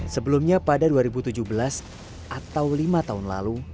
sebelumnya pada dua ribu tujuh belas atau lima tahun lalu